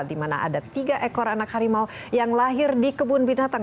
dimana ada tiga ekor anak hari mau yang lahir di kebun binatang